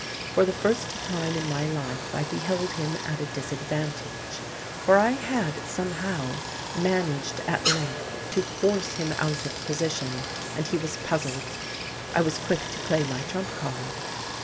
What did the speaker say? For the first time in my life I beheld him at a disadvantage; for I had, somehow, managed at length to force him out of position, and he was puzzled. I was quick to play my trump card.